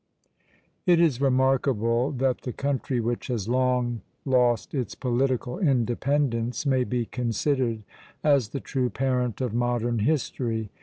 It is remarkable that the country which has long lost its political independence may be considered as the true parent of modern history.